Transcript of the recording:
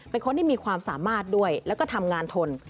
เป็นคนที่มีความสามารถด้วยแล้วก็ทำงานทน